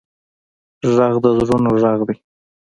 غږ د زړونو غږ دی